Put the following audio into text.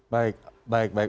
baik baik baik